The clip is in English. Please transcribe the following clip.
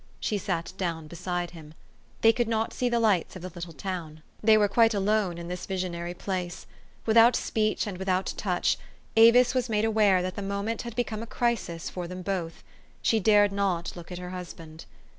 She sat down beside him. They could not see the lights of the little town. They were quite alone in the visionary place. Without speech and without touch, Avis was made aware that the moment had become a crisis for them both. She dared not look at her husband.